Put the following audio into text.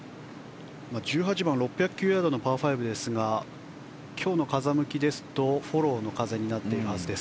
１８番は６０９ヤードのパー５ですが今日の風向きですとフォローの風になっているはずです。